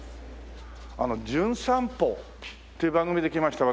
あの『じゅん散歩』っていう番組で来ました